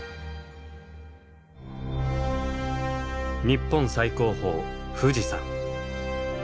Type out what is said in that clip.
日本最高峰富士山。